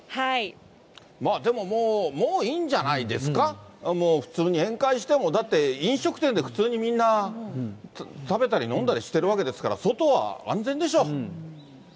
でももう、もういいんじゃないですか、もう普通に宴会しても、だって、飲食店で普通にみんな、食べたり飲んだりしてるわけですから、外は安全でしょ。